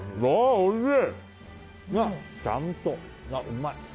おいしい！